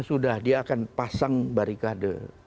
sudah dia akan pasang barikade